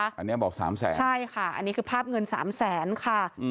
อันนี้บอก๓๐๐๐๐๐บาทใช่ค่ะอันนี้คือภาพเงิน๓๐๐๐๐๐บาทค่ะ